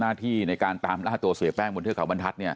หน้าที่ในการตามล่าตัวเสียแป้งบนเทือกเขาบรรทัศน์